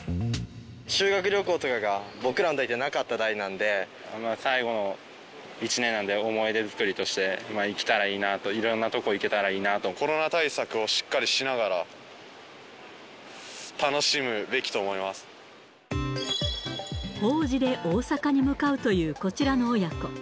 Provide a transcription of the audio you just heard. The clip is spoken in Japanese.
修学旅行とかが僕らの代ってなかった代なんで、最後の１年なんで、思い出作りとして行けたらいいなと、いろんなとこ行けたらいいなコロナ対策をしっかりしなが法事で大阪に向かうという、こちらの親子。